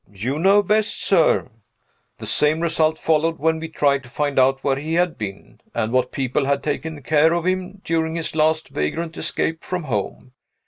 "You know best, sir." The same result followed when we tried to find out where he had been, and what people had taken care of him, during his last vagrant escape from home.